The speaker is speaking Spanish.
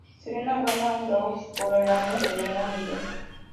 Selena gana un Grammy por su álbum "Selena Live!